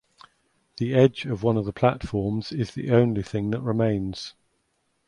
The edge of one of the platforms is the only thing that remains.